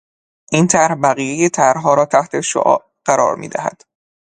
این طرح بقیهی طرحها را تحتالشعاع قرار میدهد.